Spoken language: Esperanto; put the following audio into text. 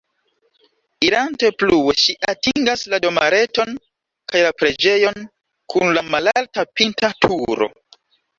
Irante plue ŝi atingas la domareton kaj la preĝejon kun la malalta pinta turo.